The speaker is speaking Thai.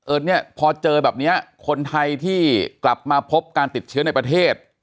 เนี่ยพอเจอแบบนี้คนไทยที่กลับมาพบการติดเชื้อในประเทศ